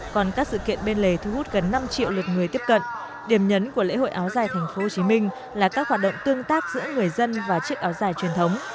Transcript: còn các sự kiện bên lề thu hút gần năm triệu lượt người tiếp cận điểm nhấn của lễ hội áo dài tp hcm là các hoạt động tương tác giữa người dân và chiếc áo dài truyền thống